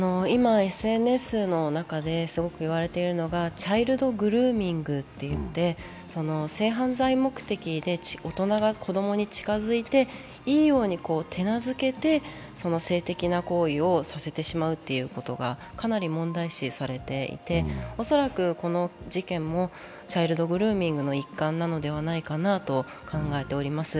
今、ＳＮＳの中ですごく言われているのがチャイルドグルーミングといって性犯罪目的で大人が子供に近づいて、いいように手なずけて性的な行為をさせてしまうということがかなり問題視されていて恐らくこの事件もチャイルドグルーミングの一環なのではないかなと考えております。